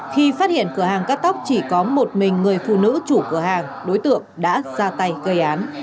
khi phát hiện cửa hàng cắt tóc chỉ có một mình người phụ nữ chủ cửa hàng đối tượng đã ra tay gây án